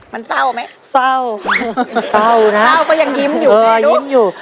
มันเศร้าไหมเศร้ายังเศร้านะเศร้าก็ยังยิ้มอยู่ก็ยิ้มอยู่